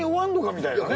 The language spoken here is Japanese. みたいなね